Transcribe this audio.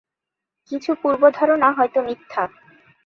কিছু পূর্ব ধারণা হয়ত মিথ্যা।